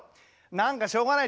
何かしょうがない。